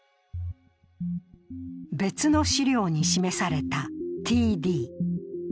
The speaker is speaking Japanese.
別の資料に示されたＴＤ。